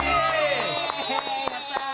やった！